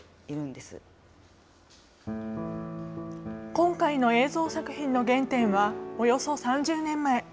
今回の映像作品の原点は、およそ３０年前。